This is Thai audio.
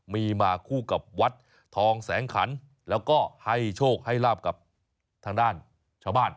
มีมาคู่กับวัดทองแสงขันแล้วก็ให้โชคให้ลาบกับทางด้านชาวบ้าน